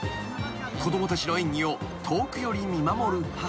［子供たちの演技を遠くより見守る母］